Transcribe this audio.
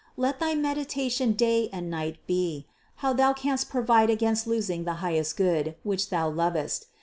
Let thy meditation day and night be, how thou canst provide against losing the highest Good, which thou lovest.